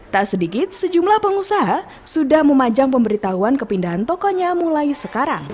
tak sedikit sejumlah pengusaha sudah memajang pemberitahuan kepindahan tokonya mulai sekarang